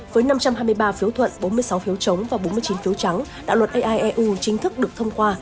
với năm trăm hai mươi ba phiếu thuận bốn mươi sáu phiếu chống và bốn mươi chín phiếu trắng đạo luật ai eu chính thức được thông qua